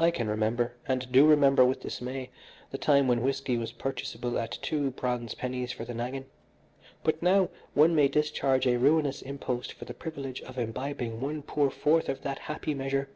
"I can remember, and I do remember with dismay, the time when whisky was purchaseable at two bronze pennies for the naggin, but now one may discharge a ruinous impost for the privilege of imbibing one poor fourth of that happy measure.